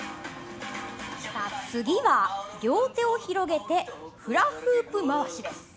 次は、両手を広げてフラフープ回しです。